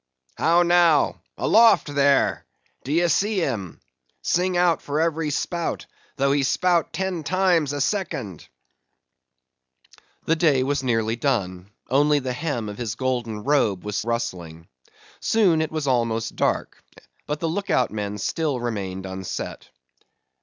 —How now? Aloft there! D'ye see him? Sing out for every spout, though he spout ten times a second!" The day was nearly done; only the hem of his golden robe was rustling. Soon, it was almost dark, but the look out men still remained unset.